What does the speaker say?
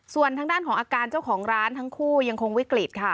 ส่วนทางด้านของอาการเจ้าของร้านทั้งคู่ยังคงวิกฤตค่ะ